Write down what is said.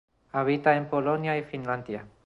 Habita en Polonia y Finlandia.